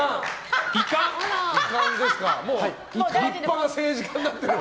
もう立派な政治家になってる。